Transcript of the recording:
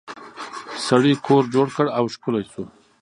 سړي کور جوړ کړ او ښکلی شو.